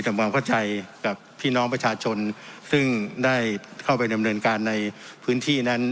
ทำความเข้าใจกับพี่น้องประชาชนซึ่งได้เข้าไปดำเนินการในพื้นที่นั้น